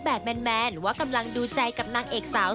ว่ากำลังศึกษาดูใจกับแอมพิทาน